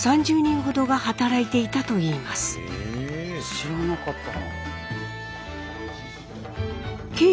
知らなかったな。